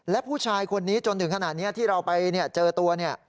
และผู้ชายคนนี้จนถึงขนาดนี้ที่เราไปเจอตัวเนี่ย